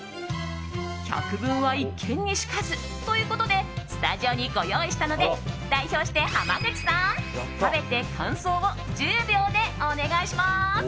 百聞は一見に如かずということでスタジオにご用意したので代表して濱口さん、食べて感想を１０秒でお願いします。